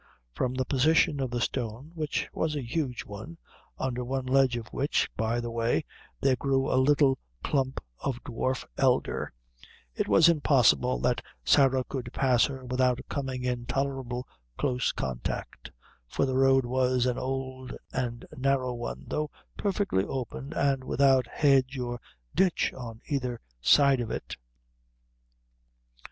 From the position of the stone, which was a huge one, under one ledge of which, by the way, there grew a little clump of dwarf elder, it was impossible that Sarah could pass her, without coming in tolerable close contact; for the road was an old and narrow one, though perfectly open and without hedge or ditch on either side of it.